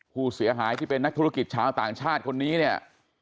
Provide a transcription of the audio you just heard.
ผู้เสียหายที่เป็นนักธุรกิจชาวต่างชาติคนนี้เนี่ย